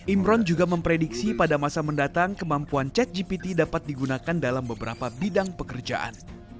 imron juga memprediksi pada masa mendatang kemampuan chat gpt dapat digunakan dalam beberapa bidang pekerjaan